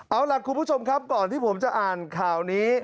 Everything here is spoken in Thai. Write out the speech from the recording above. เอาล่ะคุณผู้ชมครับก่อนที่ผมจะอ่านข่าวนี้